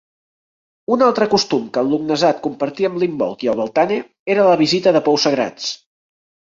Un altre costum que el Lughnasadh compartia amb l'Imbolc i el Beltane era la visita de pous sagrats.